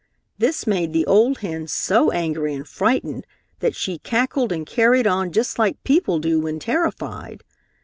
This made the old hen so angry and frightened that she cackled and carried on just like people do when terrified.